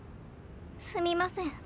すみません。